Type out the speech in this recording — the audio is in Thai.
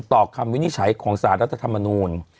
คำวินิจฉัยของสารรัฐธรรมนูล